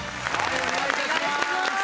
お願いします。